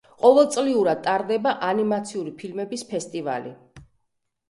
ყოველწლიურად ტარდება ანიმაციური ფილმების ფესტივალი.